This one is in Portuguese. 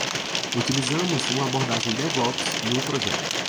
Utilizamos uma abordagem de DevOps no projeto.